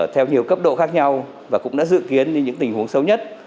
theo nhiều cấp độ khác nhau và cũng đã dự kiến những tình huống xấu nhất